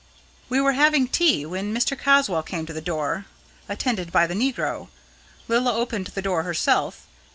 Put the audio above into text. We were having tea, when Mr. Caswall came to the door, attended by the negro. Lilla opened the door herself.